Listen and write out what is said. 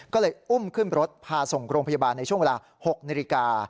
ก็เลยอุ้มขึ้นรถพาส่งโรงพยาบาลในช่วงเวลา๖นาฬิกา